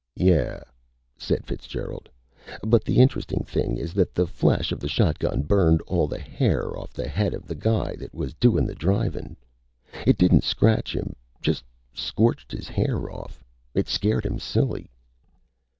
"Yeah," said Fitzgerald. "But the interesting thing is that the flash of the shotgun burned all the hair off the head of the guy that was doin' the drivin'. It didn't scratch him, just scorched his hair off. It scared him silly."